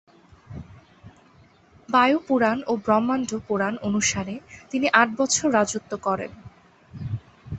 বায়ু পুরাণ ও ব্রহ্মাণ্ড পুরাণ অনুসারে, তিনি আট বছর রাজত্ব করেন।